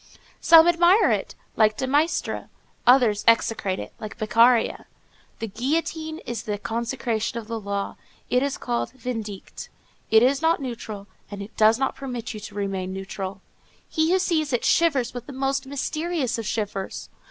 Some admire it, like de Maistre; others execrate it, like Beccaria. The guillotine is the concretion of the law; it is called vindicate; it is not neutral, and it does not permit you to remain neutral. He who sees it shivers with the most mysterious of shivers.